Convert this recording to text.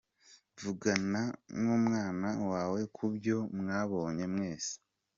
Vugana numwana wawe ku byo mwabonye mwese.